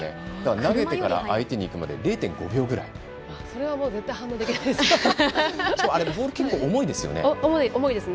投げてから相手にいくまでそれは絶対反応できないですね。